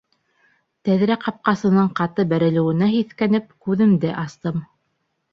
Тәҙрә ҡапҡасының ҡаты бәрелеүенә һиҫкәнеп күҙемде астым.